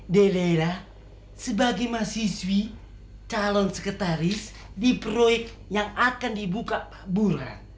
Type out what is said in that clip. dedeira sebagai mahasiswi calon sekretaris di proyek yang akan dibuka pak buruhan